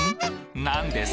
なんです